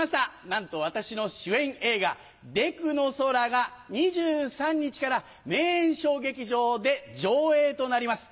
なんと私の主演映画『でくの空』が２３日から名演小劇場で上映となります。